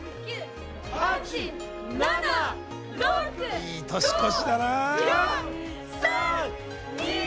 いい年越しだな！